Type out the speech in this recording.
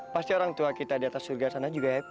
pasti orang tua kita di atas surga sana juga ya